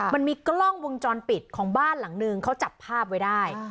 มันมีกล้องวงจรปิดของบ้านหลังนึงเขาจับภาพไว้ได้